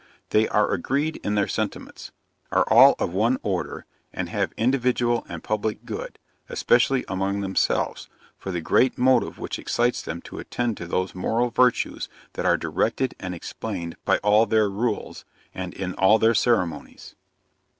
They are agreed in their sentiments are all of one order, and have individual and public good, especially among themselves, for the great motive which excites them to attend to those moral virtues that are directed and explained by all their rules, and in all their ceremonies.